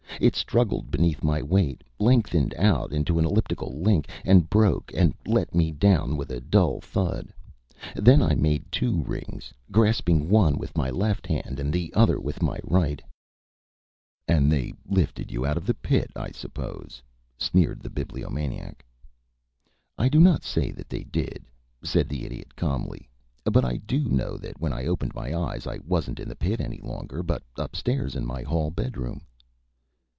It struggled beneath my weight, lengthened out into an elliptical link, and broke, and let me down with a dull thud. Then I made two rings, grasping one with my left hand and the other with my right " [Illustration: "I GRASPED IT IN MY TWO HANDS"] "And they lifted you out of the pit, I suppose?" sneered the Bibliomaniac. "I do not say that they did," said the Idiot, calmly. "But I do know that when I opened my eyes I wasn't in the pit any longer, but up stairs in my hall bedroom."